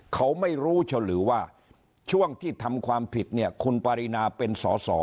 เขาไม่รู้เฉลหรือว่าช่วงที่ทำความผิดเนี่ยคุณปรินาเป็นสอสอ